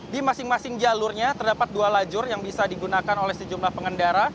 di masing masing jalurnya terdapat dua lajur yang bisa digunakan oleh sejumlah pengendara